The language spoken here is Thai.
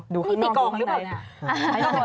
ดูข้างนอกดูข้างใน